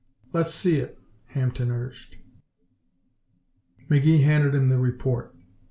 "Let's see it," Hampden urged. McGee handed him the report.